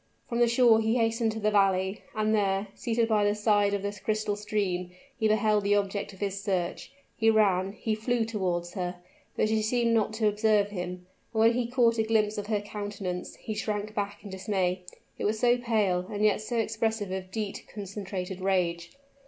From the shore he hastened to the valley; and there, seated by the side of the crystal stream, he beheld the object of his search. He ran he flew toward her; but she seemed not to observe him; and when he caught a glimpse of her countenance, he shrank back in dismay it was so pale, and yet so expressive of deep, concentrated rage!